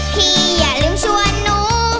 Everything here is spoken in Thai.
อย่าลืมชวนหนู